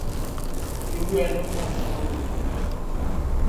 E bua le mmadi ka ho otloloha.